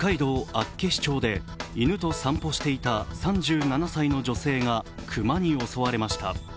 厚岸町で犬と散歩していた３７歳の女性が、熊に襲われました。